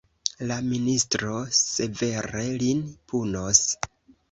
La ministro severe lin punos.